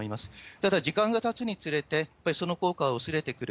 ただ、時間がたつにつれて、やっぱりその効果は薄れてくる。